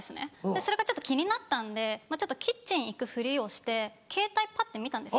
それがちょっと気になったんでキッチン行くふりをしてケータイパッて見たんです。